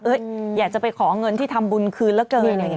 แบบอยากจะไปขอเงินที่ทำบุญคืนแล้วเกิน